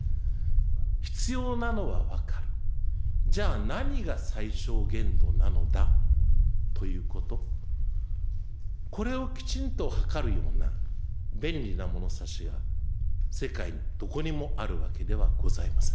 必要なのは分かる、じゃあ何が最小限度なのだということ、これをきちんとはかるような便利な物差しが世界どこにもあるわけではございません。